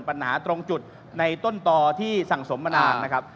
ปัญหาตรงจุดในต้นตอที่สั่งสมมานานนะครับ